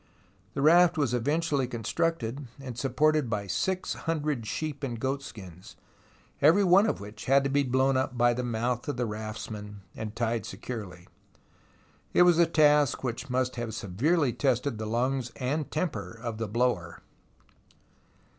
The raft was eventually constructed and supported by six hundred sheep and goat skins, every one of which had to be blown up by the mouth of the raftsman and tied securely. It was a task which must have severely tested the lungs and temper of the blower.